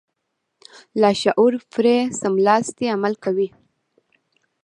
لاشعور پرې سملاسي عمل کوي.